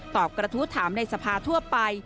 กระทู้ถามในสภาทั่วไป